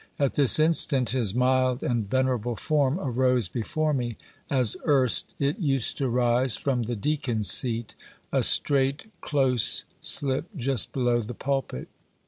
At this instant, his mild and venerable form arose before me as erst it used to rise from the deacon's seat, a straight, close slip just below the pulpit.